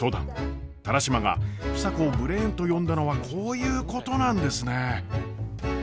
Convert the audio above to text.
田良島が房子をブレーンと呼んだのはこういうことなんですね。